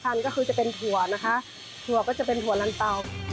ถั่วก็จะเป็นถั่วลันเตา